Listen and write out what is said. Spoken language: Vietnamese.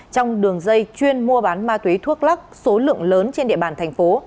trong đường dây chuyên mua bán ma túy thuốc lắc số lượng lớn trên địa bàn thành phố